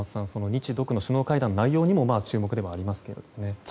日独の首脳会談の内容にも注目ではありますね。